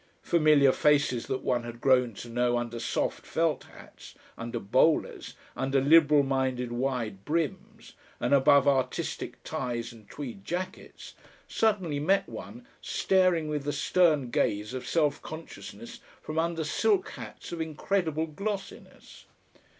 Familiar faces that one had grown to know under soft felt hats, under bowlers, under liberal minded wide brims, and above artistic ties and tweed jackets, suddenly met one, staring with the stern gaze of self consciousness, from under silk hats of incredible glossiness.